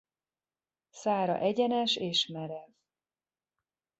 Szára egyenes és merev.